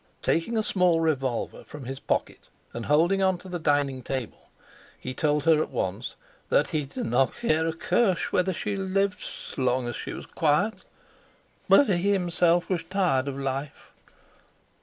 Taking a small revolver from his pocket and holding on to the dining table, he told her at once that he did not care a cursh whether she lived s'long as she was quiet; but he himself wash tired orsdquo; life.